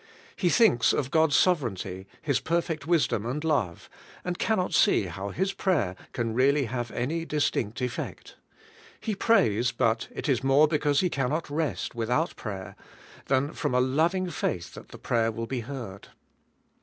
He thinks of God's sovereignty, His perfect wisdom and love, and cannot see how his prayer can really have any distinct effect. He prays, so WILL YOU HAVE POWER IN PRAYER. 159 but it is more because he cannot rest, without prayer, than from a loving faith that the prayer will be heard.